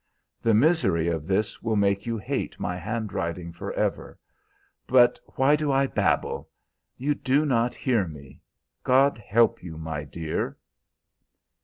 "The misery of this will make you hate my handwriting forever. But why do I babble? You do not hear me. God help you, my dear!"